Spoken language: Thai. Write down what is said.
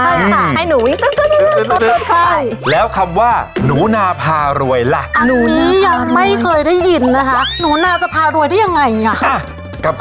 เคยเกมนี้สนุกมาก